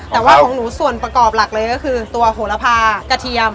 แต่ว่าของหนูส่วนประกอบหลักเลยก็คือตัวโหระพากระเทียม